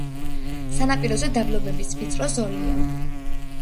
სანაპიროზე დაბლობების ვიწრო ზოლია.